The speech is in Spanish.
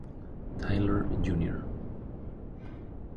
Taylor Jr.